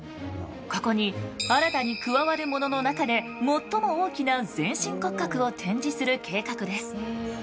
ここに新たに加わるものの中で最も大きな全身骨格を展示する計画です。